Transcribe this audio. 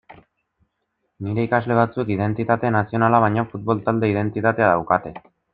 Nire ikasle batzuek identitate nazionala baino futbol-talde identitatea daukate.